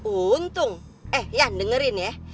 untung eh ya dengerin ya